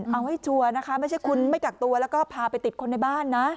เอาให้ชัวร์นะคะไม่ใช่คุณไม่กักตัวแล้วก็พาไปติดคนในบ้านนะ